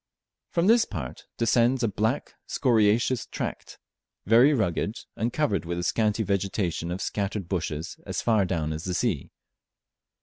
From this part descends a black scoriaceous tract; very rugged, and covered with a scanty vegetation of scattered bushes as far down as the sea.